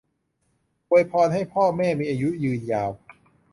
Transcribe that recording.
อวยพรให้พ่อแม่มีอายุยืนยาว